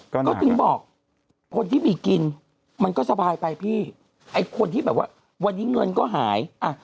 ก็ถึงบอกคนที่มีกินมันก็สบายไปพี่ไอ้คนที่แบบว่าวันนี้เงินก็หายอ่ะ